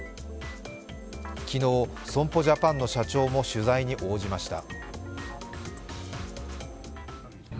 昨日、損保ジャパンの社長も取材に応じました。